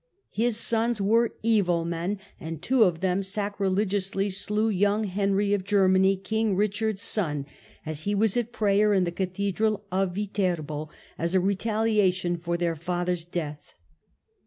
His sons were evil men, and two of them sacrilegiously slew young Henry of Ger many, King Richard's son, as he was at prayer in the cathedral of Viterbo, as a retaliation for their father's death.